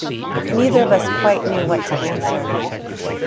Neither of us quite knew what to answer.